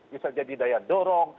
bisa jadi daya dorong